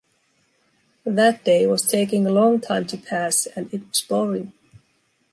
That day was taking a long time to pass, and it was boring.